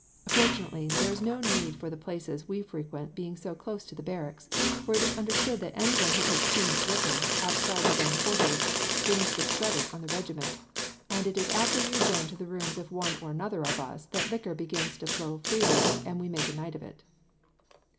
Fortunately, there is no need for the places we frequent being so close to the barracks, for it is understood that anyone who takes too much liquor, outside his own quarters, brings discredit on the regiment; and it is after we adjourn to the rooms of one or other of us that liquor begins to flow freely, and we make a night of it."